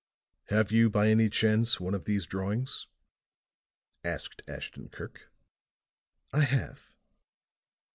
"Have you, by any chance, one of these drawings?" asked Ashton Kirk. "I have."